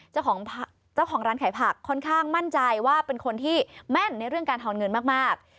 เจ้าของร้านขายผักค่อนข้างมั่นใจว่าเป็นคนที่แม่นในเรื่องการทอนเงินมาก